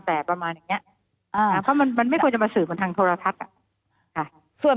แต่ประมาณนี้คือมันไม่ควรจะมาสื่อบนทางโทรธัศน์